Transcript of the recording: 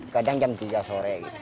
kadang jam tiga sore